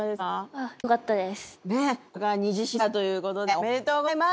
おめでとうございます。